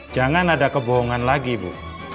jangan ada kebohongan lagi bu